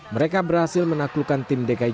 mereka berhasil menaklukkan tim dki jakarta